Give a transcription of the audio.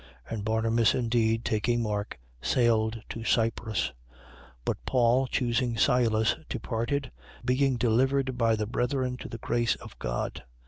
And Barnabas indeed, taking Mark, sailed to Cyprus. 15:40. But Paul, choosing Silas, departed, being delivered by the brethren to the grace of God.